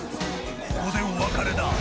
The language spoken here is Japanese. ここでお別れだ。